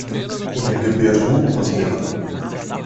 Ihnen gebührt Ruhm und Ehre.